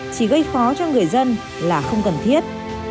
chỉ gây khó cho người dân là không cần thiết